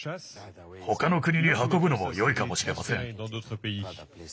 他の国に運ぶのもよいかもしれません。